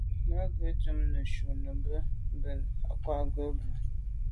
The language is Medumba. Là à ke’ dùm nejù nummbe bin ke’ ma’ ngwa bwe.